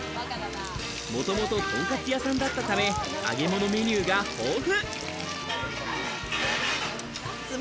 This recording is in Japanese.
もともと、とんかつ屋さんだったため、揚げ物メニューが豊富。